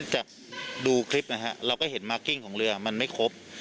จากดูคลิปนะฮะเราก็เห็นมากกิ้งของเรือมันไม่ครบ